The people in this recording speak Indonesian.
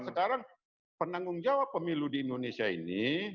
sekarang penanggung jawab pemilu di indonesia ini